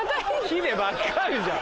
ヒデばっかりじゃん。